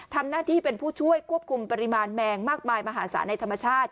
ทำหน้าที่เป็นผู้ช่วยควบคุมปริมาณแมงมากมายมหาศาลในธรรมชาติ